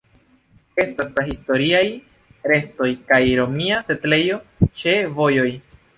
Estas prahistoriaj restoj kaj romia setlejo ĉe vojoj.